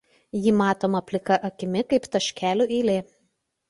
Ji matoma plika akimi kaip taškelių eilė.